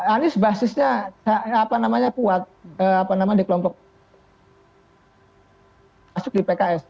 anies basisnya kuat di kelompok masuk di pks